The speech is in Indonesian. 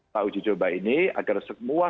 pak uji coba ini agar semua